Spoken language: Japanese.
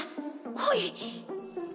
はい。